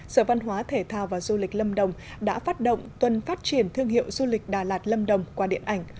sở văn hóa thể thao và du lịch lâm đồng đã phát động tuần phát triển thương hiệu du lịch đà lạt lâm đồng qua điện ảnh